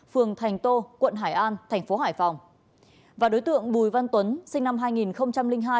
phường thành tô quận hải an thành phố hải phòng và đối tượng bùi văn tuấn sinh năm hai nghìn hai